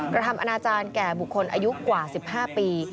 กระทำอนาจารย์แก่บุคคลอายุกว่า๑๕ปี